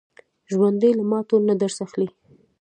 ژوندي له ماتو نه درس اخلي